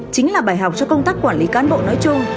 chính là bài học cho công tác quản lý cán bộ nói chung